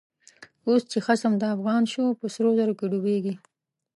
اوس چه خصم دافغان شو، په سرو زرو کی ډوبیږی